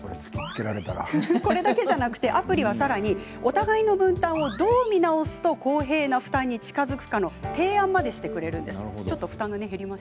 アプリは、さらにお互いの分担をどう見直すと公平な負担に近づくのかの提案までしてくれます。